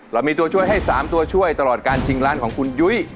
เรามีตัวช่วยให้๓ตัวช่วยตลอดการชิงล้านของคุณยุ้ย